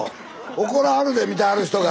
怒らはるで見てはる人が。